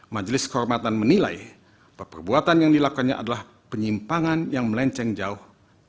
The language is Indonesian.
majelis kehormatan menilai perbuatan yang dilakukannya adalah penyimpangan yang melenceng jauh